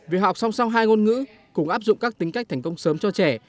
việc học song song hai ngôn ngữ cùng áp dụng các tính cách thành công sớm cho trẻ